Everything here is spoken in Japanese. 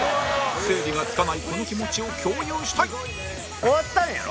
整理がつかないこの気持ちを共有したい終わったんやろ？